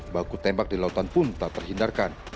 baku tembak di lautan pun tak terhindarkan